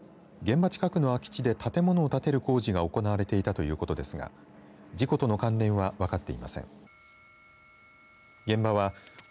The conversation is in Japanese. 警察によりますと現場近くの空き地で建物を建てる工事が行われていたということですが事故との関連は分かっていません。